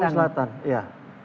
lampung selatan ya